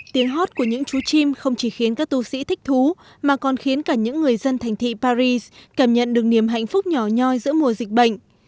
tiếng hát của những chú chim không chỉ khiến các tu sĩ thích thú mà còn khiến cả những người dân thành thị paris cảm nhận được niềm hạnh phúc nhỏ nhoi giữa mùa dịch bệnh